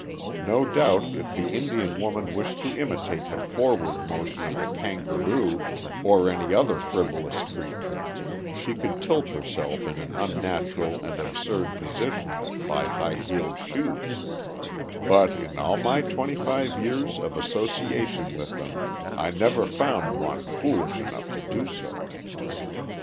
No doubt if the Indian woman wished to imitate the forward motion of the kangaroo, or any other frivolous creature, she could tilt herself in an unnatural and absurd position by high heeled shoes, but in all my twenty five years of association with them I never found one foolish enough to do so.